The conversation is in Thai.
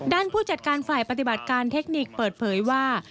ผู้จัดการฝ่ายปฏิบัติการเทคนิคเปิดเผยว่า